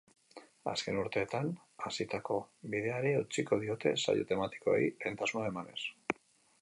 Azken urteetan hasitako bideari eutsiko diote, saio tematikoei lehentasuna emanez.